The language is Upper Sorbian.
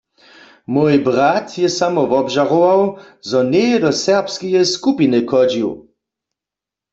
Mój bratr je samo wobžarował, zo njeje do serbskeje skupiny chodźił.